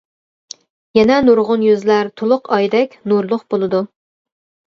يەنە نۇرغۇن يۈزلەر تولۇن ئايدەك نۇرلۇق بولىدۇ.